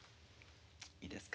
いいですか？